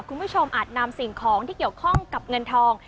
อาจนำสิ่งของที่เกี่ยวข้องกับเงินทอง